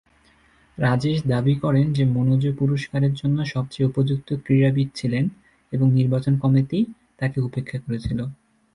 রাজেশ দাবি করেন যে মনোজ পুরস্কারের জন্য সবচেয়ে উপযুক্ত ক্রীড়াবিদ ছিলেন এবং নির্বাচন কমিটি তাকে উপেক্ষা করেছিল।